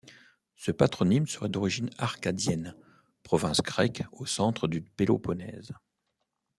Ce patronyme serait d'origine Arcadienne, province grecque au centre du Péloponnèse.